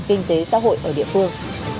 kinh tế xã hội ở địa phương